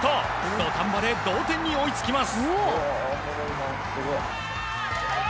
土壇場で同点に追いつきます。